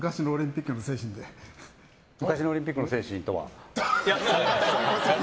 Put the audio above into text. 昔のオリンピックの精神とは？